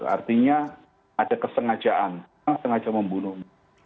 artinya ada kesengajaan orang sengaja membunuh